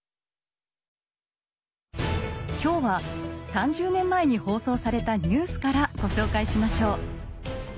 今日は３０年前に放送されたニュースからご紹介しましょう。